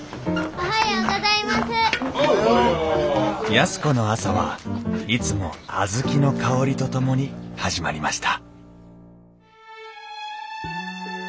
安子の朝はいつも小豆の香りとともに始まりました